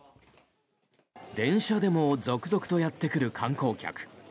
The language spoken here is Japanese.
電車でも続々とやってくる観光客。